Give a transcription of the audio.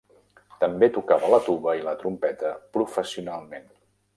També tocava la tuba i la trompeta professionalment.